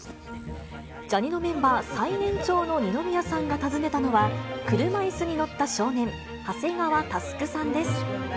ジャにのメンバー最年長の二宮さんが訪ねたのは、車いすに乗った少年、長谷川奨さんです。